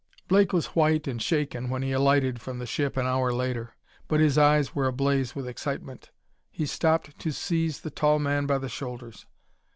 Blake was white and shaken when he alighted from the ship an hour later, but his eyes were ablaze with excitement. He stopped to seize the tall man by the shoulders.